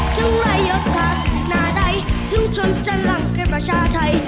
ถึงรายยดทัศนาใดถึงจนจะรักกันประชาไทย